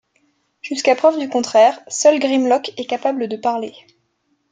Jusqu'à preuve du contraire, seul Grimlock est capable de parler.